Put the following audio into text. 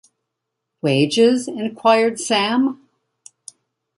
‘Wages?’ inquired Sam.